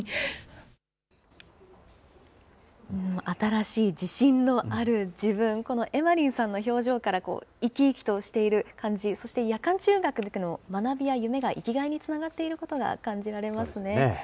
新しい自信のある自分、このエマリンさんの表情から、生き生きとしている感じ、そして、夜間中学に行くことが学びや夢が生きがいにつながっていることが感じられますね。